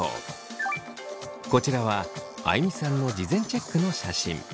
こちらはあいみさんの事前チェックの写真。